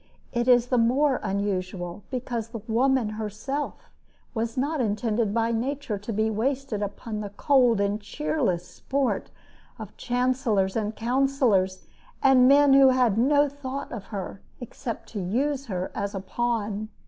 It is the more unusual because the woman herself was not intended by nature to be wasted upon the cold and cheerless sport of chancellors and counselors and men who had no thought of her except to use her as a pawn.